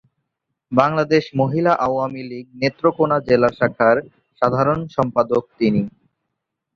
বাংলাদেশ মহিলা আওয়ামী লীগ নেত্রকোণা জেলা শাখার সাধারণ সম্পাদক তিনি।